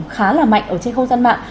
khá là mạnh ở trên không gian mạng